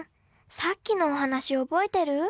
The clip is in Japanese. さっきのお話覚えてる？